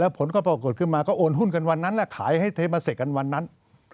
ผลก็ปรากฏขึ้นมาก็โอนหุ้นกันวันนั้นแหละขายให้เทมาเซคกันวันนั้น